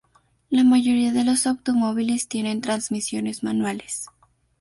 La mayoría de los automóviles tienen transmisiones manuales.